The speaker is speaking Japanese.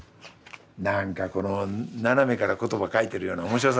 何かこの斜めから言葉書いてるような面白さあるでしょう？